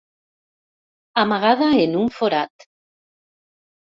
Amagada en un forat.